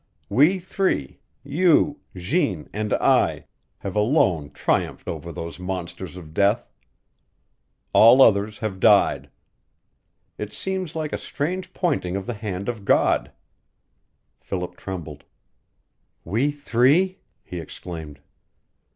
We three, you, Jeanne, and I, have alone triumphed over those monsters of death. All others have died. It seems like a strange pointing of the hand of God." Philip trembled. "We three!" he exclaimed.